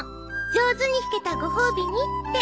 上手に弾けたご褒美にって。